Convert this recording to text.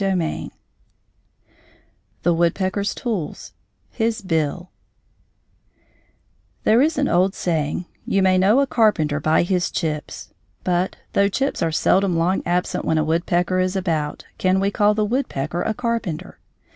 XI THE WOODPECKER'S TOOLS: HIS BILL There is an old saying, "You may know a carpenter by his chips;" but, though chips are seldom long absent when a woodpecker is about, can we call the woodpecker a carpenter?